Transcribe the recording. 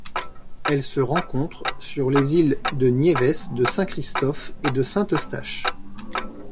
Elle se rencontre sur les îles de Niévès, de Saint-Christophe et de Saint-Eustache.